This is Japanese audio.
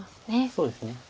そうですね。